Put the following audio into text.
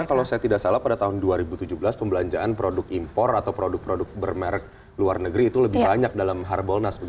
karena kalau saya tidak salah pada tahun dua ribu tujuh belas pembelanjaan produk impor atau produk produk bermerek luar negeri itu lebih banyak dalam harbolnas